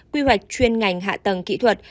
quy hoạch chuyên ngành hạ tầng kỹ thuật